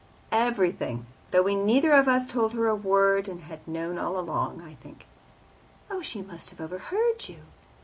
"Everything; though we neither of us told her a word, and had known all along, I think." "Oh, she must have overheard you."